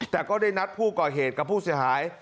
แต่ก็ได้นัดผู้ก่อเหตุกับผู้เสียหาย